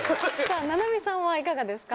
菜波さんはいかがですか？